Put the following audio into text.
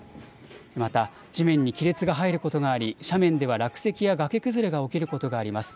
また、地面に亀裂が入ることがあり斜面では落石や崖崩れが起きることがあります。